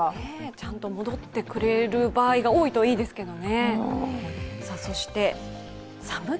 ちゃんと戻ってくれる場合が多いといいですけどね。